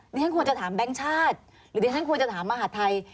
ฉันควรจะถามแบงค์ชาติหรือดิฉันควรจะถามมหาดไทย